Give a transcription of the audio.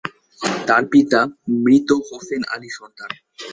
তার পিতা মৃত হোসেন আলী সরদার।